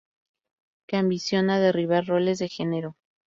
que ambiciona derribar roles de género